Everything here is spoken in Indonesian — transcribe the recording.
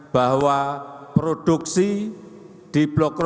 bahwa produksi di blok rokandirio ini